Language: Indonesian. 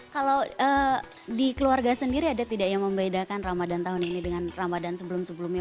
kalau di keluarga sendiri ada tidak yang membedakan ramadan tahun ini dengan ramadan sebelum sebelumnya